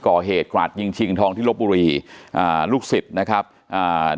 ก่อเหตุกราดยิงชิงทองที่ลบบุรีอ่าลูกศิษย์นะครับอ่า